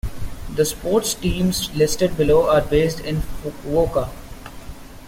The sports teams listed below are based in Fukuoka.